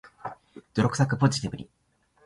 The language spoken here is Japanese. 泥臭く、ポジティブに